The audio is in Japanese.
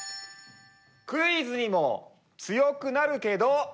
クイズにも強くなるけど。